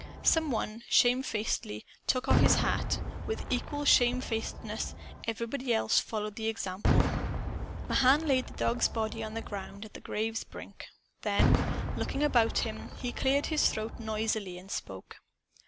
Some one shamefacedly took off his hat. With equal shamefacedness, everybody else followed the example. Mahan laid the dog's body on the ground, at the grave's brink. Then, looking about him, he cleared his throat noisily and spoke.